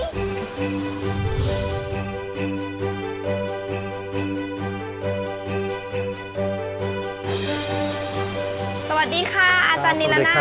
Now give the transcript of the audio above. ไปดูกันค่ะว่าหน้าตาของเจ้าปาการังอ่อนนั้นจะเป็นแบบไหน